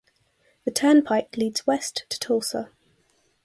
The turnpike leads west to Tulsa.